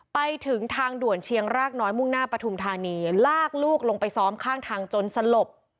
ไปถึงทางด่วนเชียงรากน้อยมุ่งหน้าปฐุมธานีลากลูกลงไปซ้อมข้างทางจนสลบ